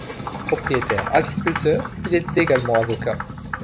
Propriétaire agriculteur, il est également avocat.